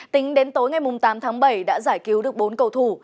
tính đến tối ngày tám tháng bảy đã giải cứu được bốn cầu thủ